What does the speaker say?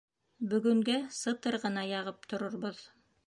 Бөгөнгә сытыр ғына яғып торорбоҙ.